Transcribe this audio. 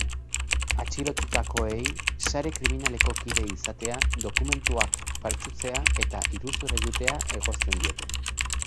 Atxilotutakoei sare kriminaleko kide izatea, dokumentuak faltsutzea eta iruzur egitea egozten diete.